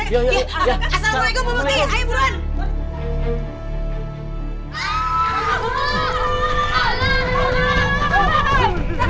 assalamualaikum pak mekti ayo buruan